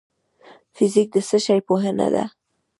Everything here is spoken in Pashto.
فزیک د څه شي پوهنه ده؟